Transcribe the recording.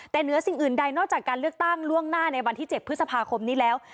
แต่เหนือสิ่งอื่นใดนอกจากการเลือกตั้งล่วงหน้าในวันที่๗พฤษภาคมนี้แล้ว